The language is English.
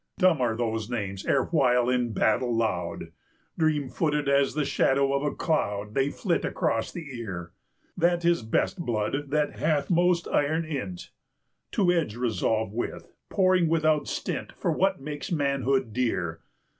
Dumb are those names erewhile in battle loud; Dream footed as the shadow of a cloud, They flit across the ear: That is best blood that hath most iron in 't. 335 To edge resolve with, pouring without stint For what makes manhood dear.